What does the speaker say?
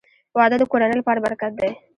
• واده د کورنۍ لپاره برکت دی.